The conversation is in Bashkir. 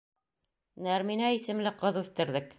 Нәрминә исемле ҡыҙ үҫтерҙек.